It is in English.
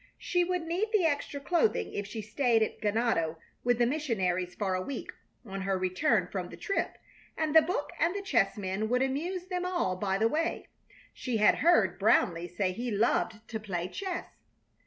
She would need the extra clothing if she stayed at Ganado with the missionaries for a week on her return from the trip, and the book and chessmen would amuse them all by the way. She had heard Brownleigh say he loved to play chess.